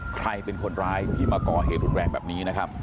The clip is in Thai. ใครเป็นคนร้ายที่มาก่อเหตุรุนแรงแบบนี้นะครับ